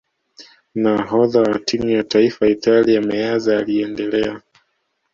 nahodha wa timu ya taifa Italia meazza aliendelea